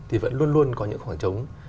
thì vẫn luôn luôn có những khoảng trống